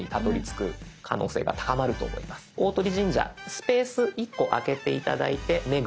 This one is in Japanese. スペース１個空けて頂いて「目黒」